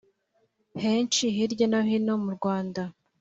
henshi hirya no hino mu Rwanda